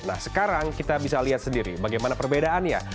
nah sekarang kita bisa lihat sendiri bagaimana perbedaannya